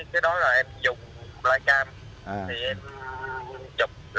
thì cái đó là em dùng light cam